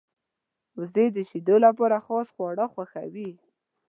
وزې د شیدو لپاره خاص خواړه خوښوي